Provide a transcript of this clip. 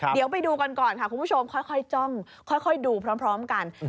เดี๋ยวไปดูกันก่อนค่ะคุณผู้ชมค่อยจ้องค่อยดูพร้อมกัน